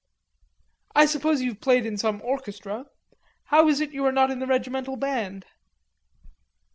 "I suppose you've played in some orchestra? How is it you are not in the regimental band?"